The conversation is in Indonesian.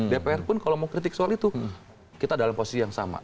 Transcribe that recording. dpr pun kalau mau kritik soal itu kita dalam posisi yang sama